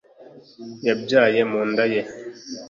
Yabyaye mu nda ye